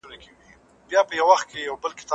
موږ باید له هرې تېروتنې څخه درس واخیستلای شو.